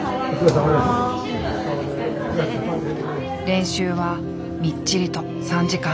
練習はみっちりと３時間。